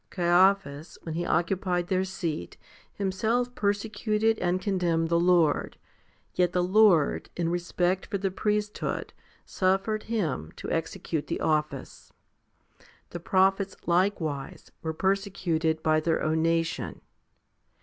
Caiaphas, when he occupied their seat, himself persecuted and condemned the Lord ; yet the Lord, in respect for the priesthood, suffered him to execute the office. The prophets likewise were persecuted by their own nation.